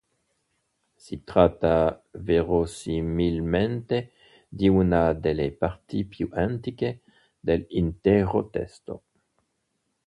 Si tratta verosimilmente di una delle parti più antiche dell'intero testo.